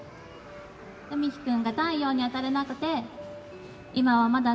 海陽くんが太陽に当たれなくて、今はまだ、